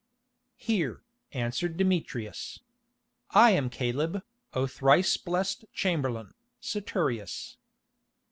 "Here," answered Demetrius. "I am Caleb, O thrice blessed chamberlain, Saturius."